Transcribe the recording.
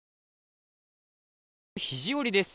肘折です。